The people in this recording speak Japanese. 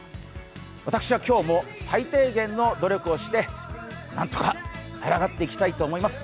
私は今日も最低限の努力をして、なんとかあらがっていきたいと思います